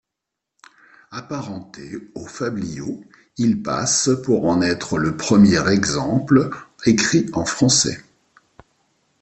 Apparenté aux fabliaux, il passe pour en être le premier exemple écrit en français.